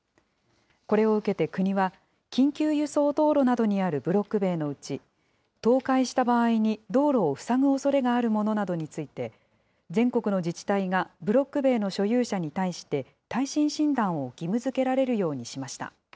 これを受けて国は、緊急輸送道路などにあるブロック塀のうち、倒壊した場合に道路を塞ぐおそれがあるものなどに対して、全国の自治体がブロック塀の所有者に対して、耐震診断を義務づけられるようにしました。